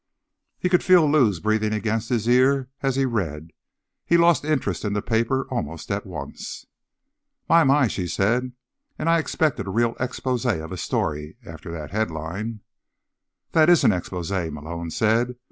He could feel Lou's breathing against his ear as he read, and he lost interest in the paper almost at once. "My, my," she said. "And I expected a real exposé of a story, after that headline." "This is an exposé," Malone said.